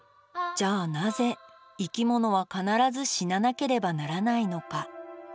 じゃあなぜ生き物は必ず死ななければならないのか。